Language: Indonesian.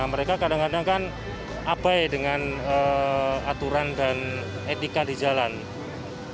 mereka kadang kadang abai dengan aturan dan ekonomi